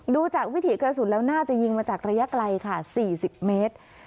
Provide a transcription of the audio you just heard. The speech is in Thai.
ดูจากวิถีกระสุนแล้วน่าจะยิงมาจากระยะไกลค่ะ๔๐เมตร